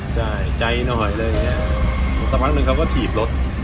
ใช่ใจหน่อยเลยแต่สักพักหนึ่งเขาก็ถีบรถ